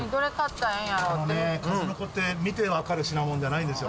あのね、数の子って見て分かる品物じゃないんですよ。